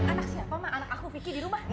anak siapa mah anak aku vicky di rumah